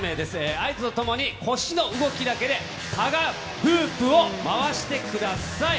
合図とともに腰の動きだけで、タガフープを回してください。